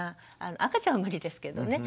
赤ちゃんは無理ですけどね。